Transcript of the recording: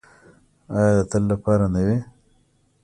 آیا د تل لپاره نه وي؟